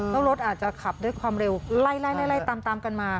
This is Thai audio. แล้วรถอาจจะขับด้วยความเร็วไล่ตามตามกันมา